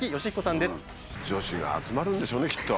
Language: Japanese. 女子が集まるんでしょうねきっと。